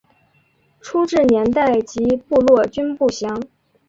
初置年代及部落均不详。